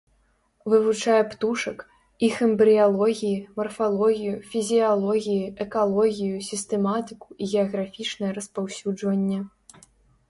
Вывучае птушак, іх эмбрыялогіі, марфалогію, фізіялогіі, экалогію, сістэматыку і геаграфічнае распаўсюджванне.